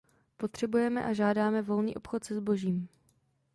Potřebujeme a žádáme volný obchod se zbožím.